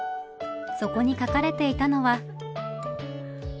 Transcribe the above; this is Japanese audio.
そこに書かれていたのは。